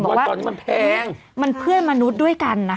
เพราะว่าตอนนี้มันแพงมันเพื่อนมนุษย์ด้วยกันนะคะ